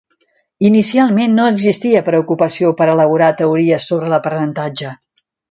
Inicialment no existia preocupació per elaborar teories sobre l'aprenentatge.